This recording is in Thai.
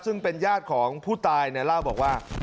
ซึ่งเป็นญาติของผู้ตายเนี่ยเล่าบอกว่า